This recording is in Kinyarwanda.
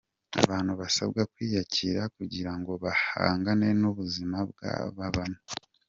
Abantu basabwa kwiyakira kugira ngo bahangane n’ubuzima babamo